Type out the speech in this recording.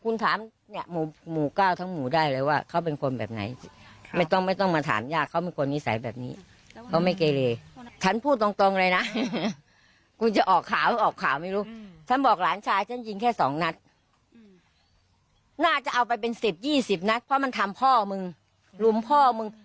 ๒๐นะเพราะมันทำพ่อมึงหลุมพ่อมึง